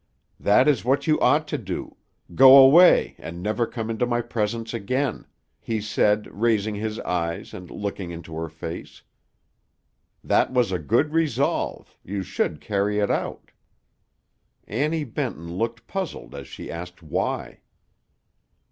"That is what you ought to do go away and never come into my presence again," he said, raising his eyes and looking into her face. "That was a good resolve; you should carry it out." Annie Benton looked puzzled as she asked why.